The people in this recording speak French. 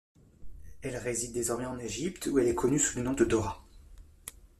Elle réside désormais en Égypte, où elle est connue sous le nom de Dorra.